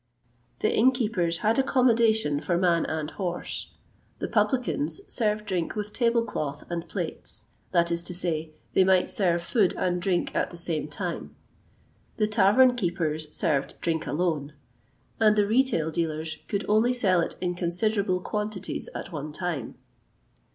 The inn keepers had accommodation for man and horse; the publicans served drink with table cloth and plates that is to say, they might serve food and drink at the same time; the tavern keepers served drink alone; and the retail dealers could only sell it in considerable quantities at one time.